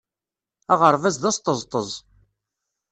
Aɣerbaz d asṭeẓṭeẓ.